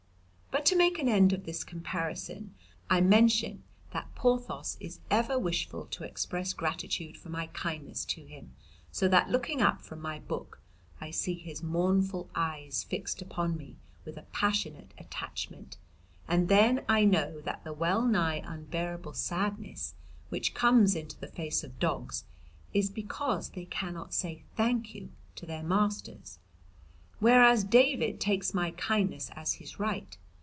"But to make an end of this comparison, I mention that Porthos is ever wishful to express gratitude for my kindness to him, so that looking up from my book I see his mournful eyes fixed upon me with a passionate attachment, and then I know that the well nigh unbearable sadness which comes into the face of dogs is because they cannot say Thank you to their masters. Whereas David takes my kindness as his right.